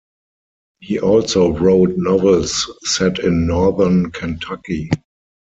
He also wrote novels set in northern Kentucky.